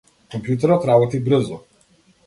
Компјутерот работи брзо.